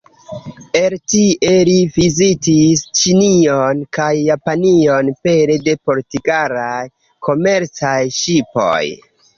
El tie, li vizitis Ĉinion kaj Japanion pere de portugalaj komercaj ŝipoj.